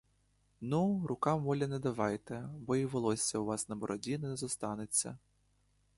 Ну, рукам волі не давайте, бо й волосся у вас на бороді не зостанеться!